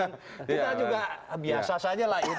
kita juga biasa saja lah itu